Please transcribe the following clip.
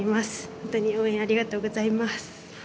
本当に応援ありがとうございます。